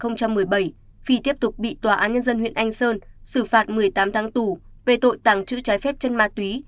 năm hai nghìn một mươi bảy phi tiếp tục bị tòa án nhân dân huyện anh sơn xử phạt một mươi tám tháng tù về tội tàng trữ trái phép chân ma túy